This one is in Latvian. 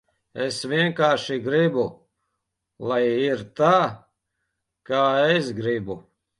Es vienkārši gribu, lai ir tā, kā es gribu.